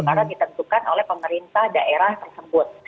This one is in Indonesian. karena ditentukan oleh pemerintah daerah tersebut